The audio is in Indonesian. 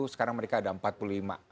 sekarang mereka ada empat puluh lima